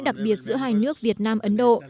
đặc biệt giữa hai nước việt nam ấn độ